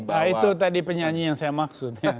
nah itu tadi penyanyi yang saya maksud